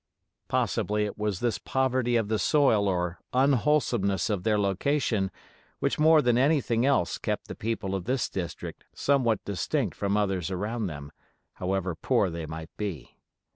Possibly it was this poverty of the soil or unwholesomeness of their location, which more than anything else kept the people of this district somewhat distinct from others around them, however poor they might be.